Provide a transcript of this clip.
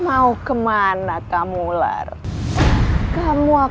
aku tidak ada kekuatan untuk berubah